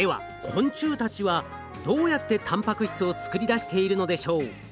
昆虫たちはどうやってたんぱく質を作り出しているのでしょう。